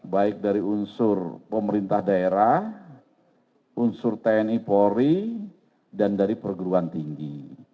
baik dari unsur pemerintah daerah unsur tni polri dan dari perguruan tinggi